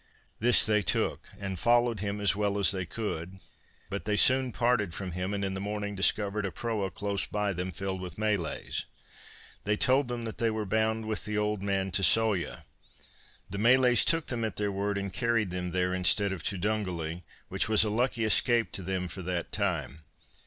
This they took and followed him as well as they could, but they soon parted from him, and in the morning discovered a proa close by them filled with Malays. They told them that they were bound with the old man to Sawyah. The Malays took them at their word and carried them there instead of to Dungally, which was a lucky escape to them for that time.